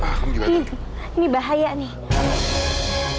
kamu bilang kamu gak suka sama peci kamu